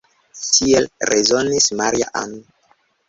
Tiel rezonis Maria-Ann.